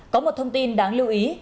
có một thông tin đáng lưu ý